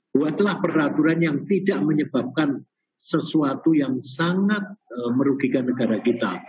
buatlah peraturan yang tidak menyebabkan sesuatu yang sangat merugikan negara kita